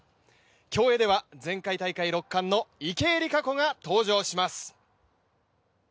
競泳では前回大会６冠、池江璃花子が登場します。